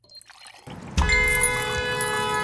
Su primer papel fue el de "Crown" en "Porgy y Bess".